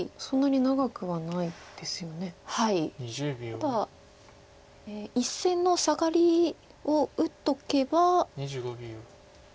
ただ１線のサガリを打っとけば。